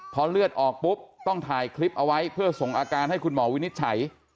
พอเลือดออกปุ๊บต้องถ่ายคลิปเอาไว้เพื่อส่งอาการให้คุณหมอวินิจฉัย